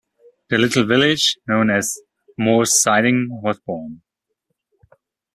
The little village, known as Moore's Siding was born.